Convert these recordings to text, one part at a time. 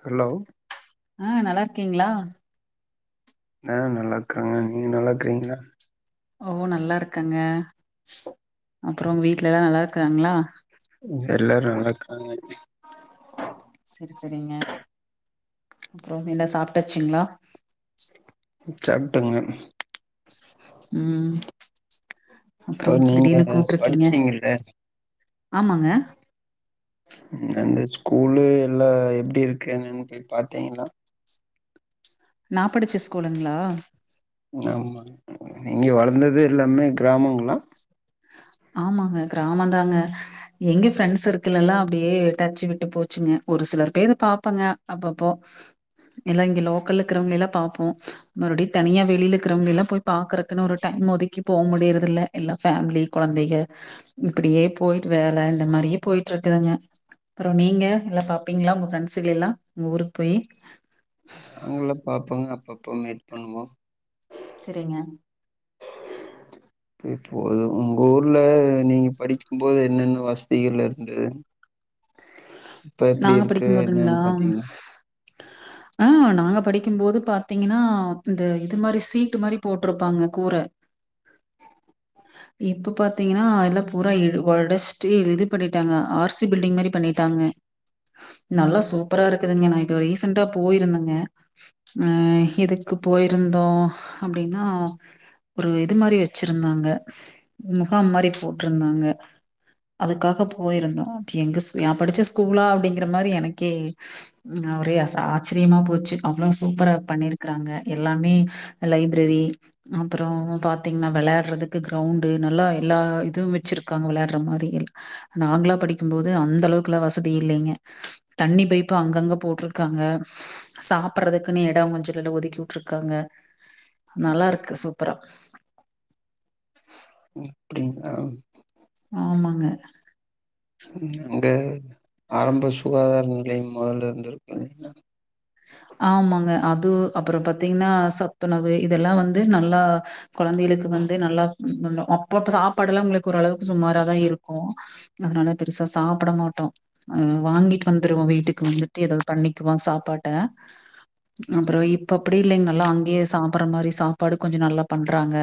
Hello ஆ நல்லா இருக்கீங்ளா ஆ நல்லா இருக்கறங்க நீங்க நல்லா இருக்கிறீங்ளா ஓ நல்லா இருக்கங்க அப்பறோ வீட்ல எல்லா நல்லா இருக்காங்களா எல்லாரு நல்லா இருக்கறாங்க செரி செரிங்க அப்றோ என்ன சாப்ட்டாச்சுங்ளா சாப்ட்டங்க ம் இப்ப அப்பறம் நீங்க திடீர்னு கூப்ட்ருக்கீங்க படிச்சீங்கல்ல ஆமாங்க அந்த ஸ்கூல்லு எல்லா எப்டி இருக்குன்னுன் போய் பாத்திங்ளா நா படிச்ச ஸ்கூலுங்ளா ஆமா நீங்க வளந்தது எல்லாமே கிராமங்கல்லா ஆமாங்க கிராம தாங்க எங்க ஃப்ரெண்ட்ஸ் சர்க்கள் எல்லா அப்டியே டச்சு விட்டு போச்சுங்க ஒரு சிலர் பேர பாப்பங்க அப்பப்போ எல்லா இங்க லோக்கல இருக்கிறவைங்கலலா பாப்போ மறுபடியு தனியா வெளில இருக்கறவங்க எல்லா போய் பாக்குறக்குன்னு ஒரு டைம் ஒதுக்கி போமுடியறதில்ல எல்லா ஃபேமிலி கொழந்தைக இப்டியே போயிட்டு வேல இந்த மாரியே போயிட்ருக்குதுங்க அப்பறோ நீங்க எல்லா பாப்பீங்களா உங்க ஃப்ரெண்ட்ஸ்களெல்லா உங்க ஊருக்கு போய் நாங்களா பாப்போங்க அப்பப்ப மீட் பண்ணுவோ செரிங்க இப்போது உங்க ஊருல நீங்க படிக்கும்போது என்னென்ன வசதிகள் இருந்தது இப்ப எப்டி நாங்க இருக்கு படிக்கும்போதுங்களா என்னன்னு பாத்தீங்ளா அ நாங்க படிக்கும் போது பாத்தீங்கன்னா இந்த இது மாரி சீட் மாரி போட்டிருப்பாங்க கூர [inaudible] இப்ப பாத்தீங்கன்னா எல்லா பூரா இ ஒடச்சுட்டு இது பண்ணிட்டாங்க ஆர்சி பில்டிங் மாரி பண்ணிட்டாங்க நல்லா சூப்பரா இருக்குதுங்க ந இப்ப ரீசன்டா போயிருந்தங்க அ எதுக்கு போயிருந்தோ அப்டின்னா ஒரு இது மாரி வெச்சிருந்தாங்க முகாம் மாரி போட்டிருந்தாங்க அதுக்காக போயிருந்தோ எங்க ஸ் நா படிச்ச ஸ்கூலா அப்டிங்கிற மாரி எனக்கே ஒரே ஆச்சரியமா போச்சு அவ்ளோ சூப்பரா பண்ணிருக்கறாங்க எல்லாமே லைப்ரரி அப்பறோ பாத்தீங்ன்னா வெளையாட்றதுக்கு கிரௌண்டு நல்லா எல்லா இதுவு வெச்சிருக்காங்க விளையாட்ற மாரி எல் நாங்ளா படிக்கும்போது அந் தளவுக்லா வசதி இல்லைங்க தண்ணி பைப்பு அங்கங்க போட்டிருக்காங்க சாப்பறதுக்குன்னே எடோ கொஞ்சணோட்டு ஒதுக்கி வுட்டுருக்காங்க நல்லா இருக்கு சூப்பரா ம் அப்டிங்ளா ஆமாங்க அங்க ஆரம்ப சுகாதார நிலையம் மொதல்ல இருந்துக்கு இல்லிங்ளா ஆமாங்க அது அப்பறோ பாத்தீங்ன்னா சத்துணவு இதெல்லா வந்து நல்லா கொழந்தைகளுக்கு வந்து நல்லா முன்னோ அப்போ சாப்பாடெல்லா உங்களுக்கு ஓரளவுக்கு சும்மாராதா இருக் கு அதனால பெருசா சாப்பட மாட்டோ அ வாங்கிட்டு வந்துருவோ வீட்டுக்கு வந்துட்டு ஏதாவது பண்ணிக்குவோ சாப்பாட்ட அப்பறோ இப்ப அப்டி இல்லைங் நல்லா அங்கேயே சாப்புற மாரி சாப்பாடு கொஞ்ச நல்லா பண்றாங்க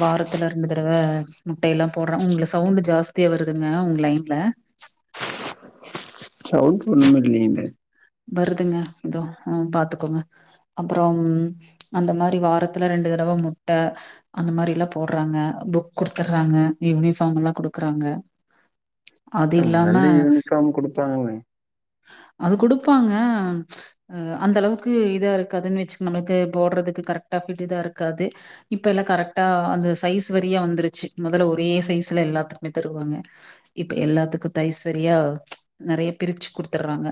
வாரத்தில ரெண்டு தரவ முட்டையெல்லா போட்றா உங்களுக்கு சவுண்டு ஜாஸ்திய வருதுங்க உங் லைன்ல சவுண்ட்டு ஒன்னுமில்லீங்க வருதுங்க இதோ உ பாத்துக்கோங்க அப்பறோ அந்த மாரி வாரத்துல ரெண்டு தடவ முட்ட அந்த மாரில்லா போட்றாங்க புக் குடுத்துடுறாங்க யூனிஃபார்ம் எல்லா குடுக்குறாங்க அது இல்லாம மல்லி யூனிஃபார்ம் குடுப்பாங்க அது குடுப்பாங்க அ அந்த அளவுக்கு இதா இருக்காதுன்னு வெச்சுக் நம்ளுக்கு போட்றதுக்கு கரெக்டா ஃபிட் இதா இருக்காது இப்ப எல்லா கரெக்டா அந்த சைஸ் வாரியா வந்துருச்சு மொதல்ல ஒரே சைஸ்ஸா எல்லாத்துக்குமே தருவாங்க இப்ப எல்லாத்துக்கு தைஸ் சரியா நெறைய பிரிச்சு குடுத்துட்றாங்க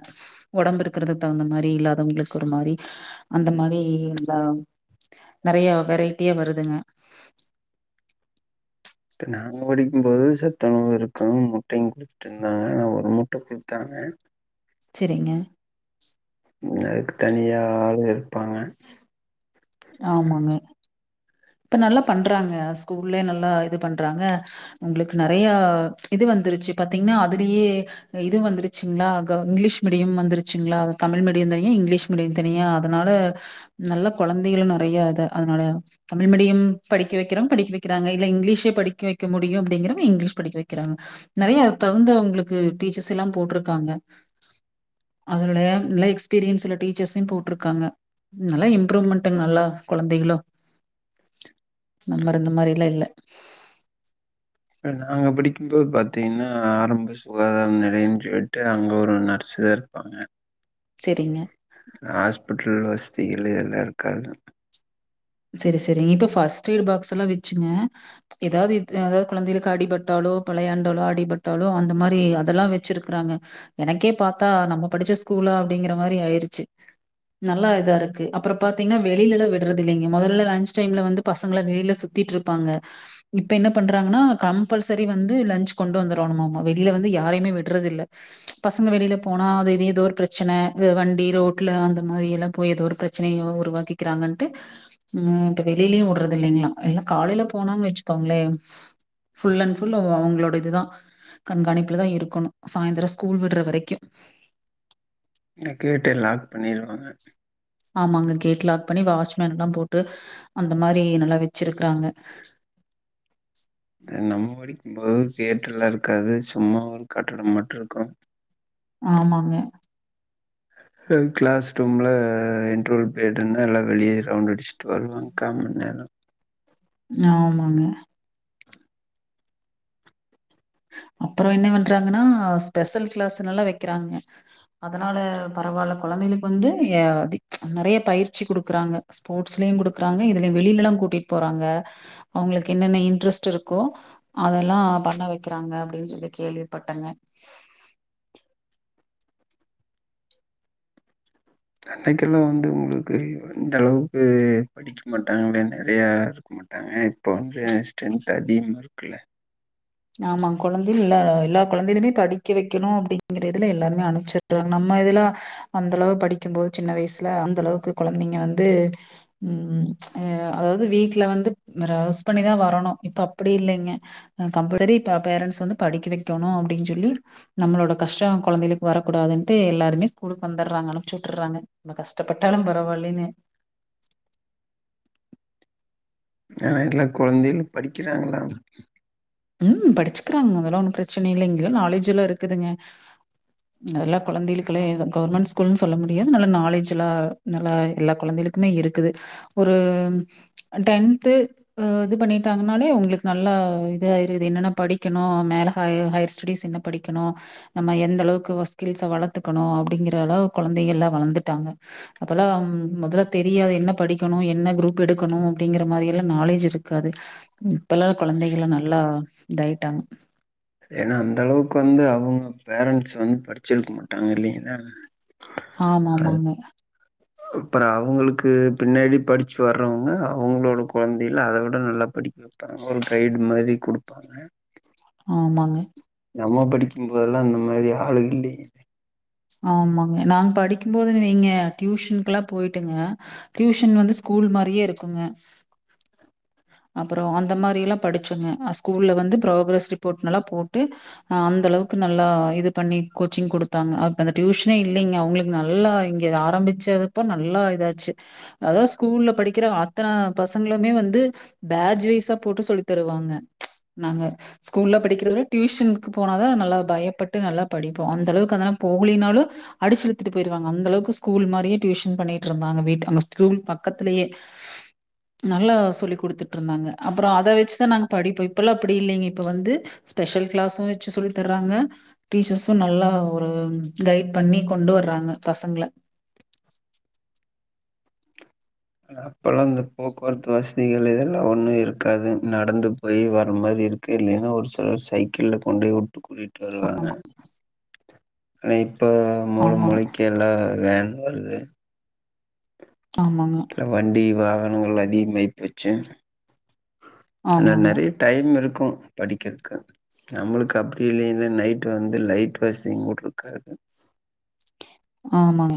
ஒடம்பு இருக்கிறத தகுந்த மாரி இல்லாதவங்களுக்கு ஒரு மாரி அந்த மாரி எல்லா நெறைய வெரைட்டியா வருதுங்க இப்ப நாங்க படிக்கும்போது சத்துணவு இருக்கு முட்டையு குடுத்துட்டு இருந்தாங்க ஒரு முட் ட குடுத்தாங்க செரிங்க அதுக்கு தனியா ஆளுங்க இருப்பாங்க ஆமாங்க இப்ப நல்லா பண்றாங்க ஸ்கூல்லே நல்லா இது பண்றாங்க உங்களுக்கு நெறைய இது வந்துருச்சு பாத்தீங்ன்னா அதுலயே இது வந்துருச்சுங்ளா க இங்கிலீஷ் மீடியம் வந்துருச்சுங்களா தமிழ் மீடியந் தானியா இங்கிலீஷ் மீடியம் தனியா அதனால நல்ல கொழந்தைகளு நெறைய இது அதனால தமிழ் மீடியம் படிக்க வெக்கிறவங் படிக்க வெக்கிறாங்க இல்ல இங்கிலீஷ படிக்க வெக்க முடியு அப்டிங்கிறவங்க இங்கிலீஷ் படிக்க வெக்கிறாங்க நெறையா தகுந்த அவ்ங்களுக்கு டீச்சர்ஸெல்லா போட்ருக்காங்க அத விட நல்ல எக்ஸ்பீரியன்ஸ் உள்ள டீச்சர்ஸையு போட்ருக்காங்க நல்லா இம்ப்ரூவ்மெண்ட் ங்க நல்லா கொழந்தைகளு முன்ன இருந்த மாரிலா இல்ல அ நாங்க படிக்கும்போது பாத்தீங்கனா ஆரம்ப சுகாதார நிலையம்னு சொல்லிட்டு அங்க ஒரு நர் சே இருப்பாங்க செரிங்க ஹாஸ்பிட்டல் வசதிகள்லா எல்லா இருக்காது சேரி சேரிங்க இப்ப ஃபஸ்ட் எய்ட் பாக்ஸெல்லா வெச்சுங்க எதாவ்து இத் எதாவ்து கொழந்தைகளுக்கு ஆடிபட்டாலோ வெளையாண்டாலோ ஆடிபட்டாலோ அந்த மாதிரி அதெல்லா வெச்சிருக்கறாங்க எனக்கே பாத்தா நம்ம படிச்ச ஸ்கூலா அப்டிங்கிற மாரி ஆயிருச்சு நல்லா இதா இருக்கு அப்பற பாத்தீங்னா வெளிலலா விட்றது இல்லைங்க மொதல்ல லஞ்ச் டைம்ல வந்து பசங்களா வெளில சுத்திட்ருப்பாங்க இப்ப என்ன பண்றாங்கனா கம்பல்சரி வந்து லஞ்ச் கொண்டு வந்துரணுமாம்மா வெளிய வந்து யாரையுமே விட்றதில்ல பசங்க வெளில போனா அது இது எதோ ஒரு பிரச்சன வ வண்டி ரோட்ல அந்த ‌மாரியெல்லா போய் எதோ ஒரு பிரச் ச்சனைய உருவாக்கிக்கிறாங்கன்ட்டு ம் இப்ப வெளிலயு விட்றதில்லைங்ளா என்ன காலைல போனாங்கனு வச்சுக்கோங்களே ஃபுல் அண்ட் ஃபுல் அது அவ்ங்களோட இதுதா கண்காணிப்புலதா இருக்கணு சாய்ந்தர ஸ்கூல் விட்ற வரைக்கு ஏனா கேட்டே லாக் பண்ணிருவாங்க ஆமாங்க கேட் லாக் பண்ணி வாட்ச்மேன்லா போட்டு அந்த மாரி நல்லா வெச்சிருக்குறாங்க அ நம்ம படிக்கும்போது கேட்டெல்லா இருக்காது சும்மா ஒரு கட்டட மட்டு இருக்கு ஆமாங்க ஹ கிளாஸ் ரூம்ல இன்ட்ரவல் ப்ரீடுன்னா எல்லா வெளிய ரவுண்ட் அடிச்சிட்டு வருவாங்க காமண் நேர ஆமாங்க அப்பற என்ன பண்றாங்கனா ஸ்பெஷல் கிளாஸுனெல்லா வெக்கிறாங்க அதனால பரவால்ல கொழந்தைகளுக்கு வந்து ஏ ஆதி அ நெறைய பயிற்சி குடுக்குறாங்க ஸ்போர்ட்ஸ்லயு குடுக்குறாங்க இதுலயு வெளிலலா கூட்டிட்டு போறாங்க அவ்ங்களுக்கு என்னென்ன இன்ட்ரெஸ்ட் இருக்கோ அதெல்லா பண்ண வெக் க்கிறாங்க அப்டின் சொல்லி கேள்விப்பட்டங்க அன்னைக்கெல்லா வந்து உங்களுக்கு இந்த அளவுக்கு படி டிக்க மாட்டாங்கள நெறையா இருக்க மாட்டாங்க இப்ப வந்து ஸ்ட்ரென்த் அதிகமா இருக்குல்ல ஆமா கொழந்தைனு இல்ல எல்லா கொழந்தைகளையுமே படிக்க வெக்கணு அப்டிங்க்ற இதுல எல்லாருமே அனுப்ச்சுறாங்க நம்ம இதுல அந்த அளவு படிக்கும் போது சின்ன வயசுல அந்த அளவுக்கு கொழந்தைங்க வந்து ம் அ அதாவ்து வீட்ல வந்து ரவ்ஸ் பண்ணிதா வரணு இப்ப அப்டி இல்லைங்க அ கம்பரரி இப்ப பேரண்ட்ஸ் வந்து படிக்க வெக்கணு அப்டின் சொல்லி நம்மளோட கஷ்ட கொழந்தைளுக்கு வரக் கூடாதுன்ட்டு எல்லாருமே ஸ்கூலுக்கு வந்துடாறாங்க அனுப்ச்சு வுட்டுட்றாங்க நம்ம கஷ்டப்பட்டாலு பரவால்லைனு அ எல்லா கொழந்தைகளு படிக்கிறாங்களா ம் படிச்சுக்கிறாங்க அதெல்லா ஒன்னு பிரச்சன இல்லைங்களா நாலேஜ் எல்லா இருக்குதுங்க எல்லா கொழந்தைகளுக்குளே கவர்மெண்ட் ஸ்கூல்ன்னு சொல்ல முடியாது நல்ல நாலேஜ் எல்லா நல்லா எல்லா கொழந்தைகளுக் க்குமே இருக்குது ஒரு அ டென்த்து அ இது பண்ணிட்டாங்கன்னாலே ஒங்களுக் நல்லா இத ஆயிருது என்னென்ன படிக்கணு மேல ஹைய ஹையர் ஸ்டெடிஸ் என்ன படிக்கணு நம்ம எந்த அளவுக்கு வ ஸ்கில்ஸ வளத்துக்கணு அப்டிங்கிற அளவு கொழந்தைகள்லா வளந்துட்டாங்க அப்பல்லா முதல்ல தெரியாது என்ன படிக்கணு என்ன குரூப் எடுக்கணு அப்டிங்கிற மாரி எல்லா நாலேஜ் இருக்காது இப்ப தா குழந்தைகளா நல்லா இதாயிட்டாங்க ஏன்னா அந்த அளவுக்கு வந்து அவங்க பேரண்ட்ஸ் வந்து படிச்சு இருக்க மாட்டாங்க இல்லைங்களா ஆமா ஆமாங்க அப்புற அவங்களுக்கு பின்னாடி படிச்சு வர்றவங்க அவங்ளோட கொழந்தைகல அத விட நல்லா படிக்க ப்பாங் ஒரு கைடு மாரி குடுப்பாங்க ஆமாங்க நம்ம படிக்கும்போதெல்லா இந்த மாரி ஆளு இல்லைங்க ஆமாங்க நாங் படிக்கும்போது வைங்க டியூஷனுக்குல்லா போய்ட்டுங்க டியூஷன் வந்து ஸ்கூல் மாரியே இருக்குங்க அப்புறோ அந்த மாரிலா படிச்சோங்க அ ஸ்கூல்ல வந்து ப்ரோகரஸ் ரிப்போர்ட்னல்லா போட்டு ஆ அந்த அளவுக்கு நல்லா இது பண்ணி கோச்சிங் குடுத்தாங்க அப் போ அந்த டியூஷனே இல்லைங்க அவங்களுக்கு நல்லா இங்க ஆரம்பிச்சதுப்ப நல்லா இதாச்சு அதா ஸ்கூல்லப் படிக்கிற அத்தன பசங்களுமே வந்து பேஜ் வைஸா போட்டு சொல்லி தருவாங்க நாங்க ஸ்கூல்ல படிக்கிற விட டியூஷன்க்கு போனாதா நல்லா பயப்பட்டு நல்லா படிப்போ அந்த அளவுக்கு அனா போக்லினாலு அடிச்சு இழுத்துட்டு போயிருவாங்க அந்த அளவுக்கு ஸ்கூல் மாரியே டியூஷன் பண்ணிட்டு இருந்தாங்க வீட்டு அங்க ஸ்கூல் பக்கத்துலயே நல்லா சொல்லி குடுத்துட்டுருந்தாங்க அப்புறோ அத வெச்சு தா நாங்க படிப்போ இப்பல்லா அப்டி இல்லைங்க இப்ப வந்து ஸ்பெஷல் கிளாஸு வெச்சு சொல்லி தர்றாங்க டீச்சர்ஸு நல்லா ஆ கைட் பண்ணி கொண்டு வர்றாங்க பசங்கள ஏங்க அப்பல்லா இந்த போக்குவரத்து வசதிகள் இதெல்லா ஒண்ணு இருக்காது நடந்து போய் வர மாரி இரு க்கு இல்லைன்னா ஒரு சிலர் சைக்கிள்ல கொண்டு போய் விட்டு கூட்டி வருவாங்க ஆனா இப்ப மூள ஆமாங்க, மூளைக்கு எல்லா வேன் வருது ஆமாங்க இல்ல வண்டி வாகனங்கள் அதிகமாயிப்போச்சு நா ஆமாங்க, நிறையா டைம் இருக்கு படிக்கிறக்கு நம்மளுக்கு அப்டி இல்லைல நைட் வந்து லைட் வசதி கூட்ருக்காது ஆமாங்க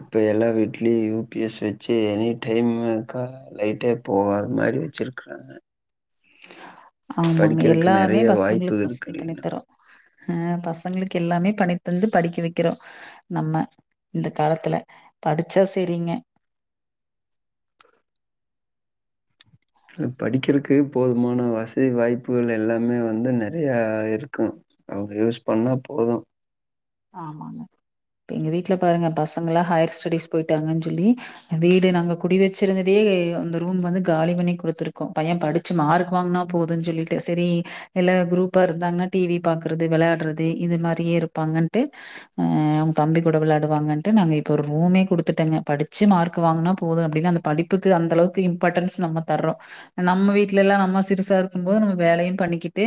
இப்போ எல்லா வீட்லயு யு பி எஸ் வெச்சு எனி டைமு க லைட்டா இப்போ நறையா வெச்சிருக்குறாங்க ஆமாங்க எல்லாமே நெறைய வாய்ப்பு பசங்களுக்கு இருக்கு வசதி பண்ணி இல்லைங் தரு ஆ பசங்களுக்கு எல்லாமே பண்ணி தந்து படிக்க வைக்கிறோ நம்ம இந்த காலத்துல படிச்சா சேரிங்க ம் படிக்கிறக்கு போதுமான வசதி வாய்ப்புகள் எல்லாமே வந்து நறையா இருக்கு அவங்க யூஸ் பண்ணா போது ஆமாங்க இப்ப எங்க வீட்ல பாருங்க பசங்கெல்லா ஹையர் ஸ்டடிஸ் போயிட்டாங்கன் சொல்லி வீடு நாங்க குடி வெச்சிருந்ததே அந்த ரூம் வந்து காலி பண்ணி குடுத்துருக்கோ பைய படு ச்சு மார்க் வாங்னா போதுன் சொல்லிட்டு சரி எல்லா குரூப்பா இருந்தாங்ன்னா டிவி பாக்குறது விளையாடுறது இது மாரியே இருப்பாங்கன்ட்டு ஆ உ தம்பி கூட விளாடுவாங்கன்ட்டு நாங்க இப்போ ஒரு ரூமே கொடுத்துட்டோங்க படிச்சு மார்க் வாங்குனா போது அப்டின்னு அந்த படிப் புக்கு அந்த அளவுக்கு இம்பார்ட்டண்ஸ் நம்ம தர்றோ நம்ம வீட்ல எல்லா நம்ம சிறுசா இருக்கும் போது நம்ம வேலையு பண்ணிக்கிட்டு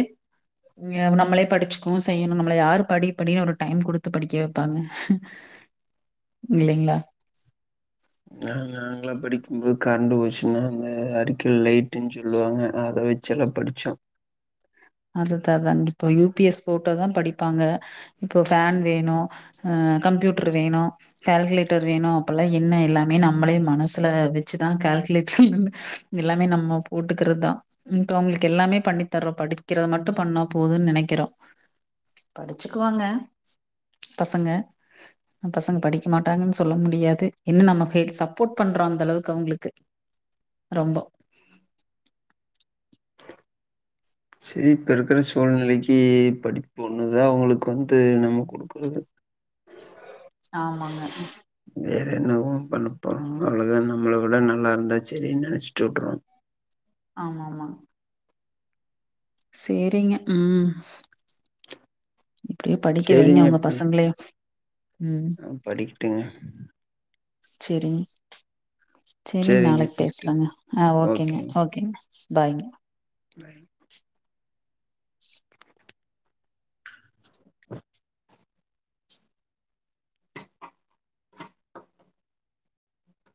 இங்க நம்மளே படிச்சுகவு செய்யணு நம்மள யாரு படி படின் ஒரு டைம் குடுத்து படிக்க வெப்பாங்க இல்லைங்ளா நா நாங்களா படிக்கும்போது கரண்டு போச்சுன்னா அந்த அறிக்கல் லைட்டுன் சொல்லுவாங்க அத வெச் செல்லா படிச்சோ அதுதா அதா இப்போ யு பி எஸ் போட்டோ தா படிப்பாங்க அப்றோ ஃபேன் வேணு அ கம்ப்யூட்டர் வேணு கால்குலேட்டர் வேணு அப்பெல்லா என்ன எல்லாமே நம்மளே மனசுல வெச்சுதா கால்குலேட்டர் எல்லாமே நம்ம போட்டுக்கிறதுதா இப்ப அவங்களுக்கு எல்லாமே பண்ணி தர்றோ படி க்கிறத மட்டு பண்ணா போதுன் நெனைக்கிறோ படிச்சுக்குவாங்க பசங்க பசங்க படிக்க மாட்டாங்கன் சொல்ல முடியாது என்ன நம்ம சப்போர்ட் பண்றோ அந்தளவுக்கு அவுங்குளுக்கு ரொம்போ சேரி இப்போ இருக்கிற சூழ்நிலைக்கு படிப்பு ஒன்னு தா அவுங்குளுக் வந்து நம்ம குடுக்குறது ஆமாங்க வேற என்னவோ பண்ண போறா அவ்ளதா நம்மள விட நல்லா இருந்தா சேரின்னு நெனைச்சிட்டு வுற்றுனு ஆமா ஆமா சேரிங்க உம் இப்டியோ படிக்க வைங்க சரிங்க. உங்க பசங்களையு உம் படிக்ட்டுங்க சேரிங் சேரிங் சரிங்க. நாளைக் பேசலாங்க ஆ ஓகேங்க ஓகேங்க பாய்ங்க பாய்